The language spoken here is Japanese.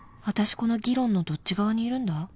私この議論のどっち側にいるんだ？